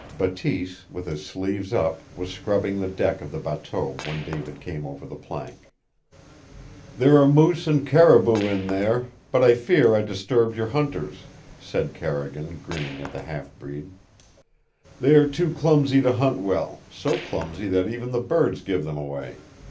Bateese, with his sleeves up, was scrubbing the deck of the bateau when David came over the plank. "There are moose and caribou in there, but I fear I disturbed your hunters," said Carrigan, grinning at the half breed. "They are too clumsy to hunt well, so clumsy that even the birds give them away.